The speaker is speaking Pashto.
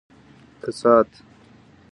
کسات